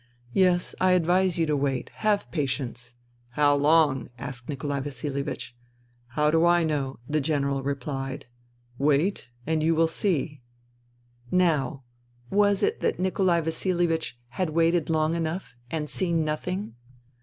" Yes, I advise you to wait. Have patience." *' How long ?" asked Nikolai Vasilievich. " How do I know ?" the General replied. " Wait — and you will see." Now, was it that Nikolai Vasilievich had waited long enough and seen nothing